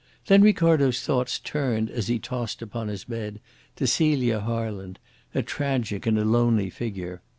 Then Ricardo's thoughts turned as he tossed upon his bed to Celia Harland, a tragic and a lonely figure.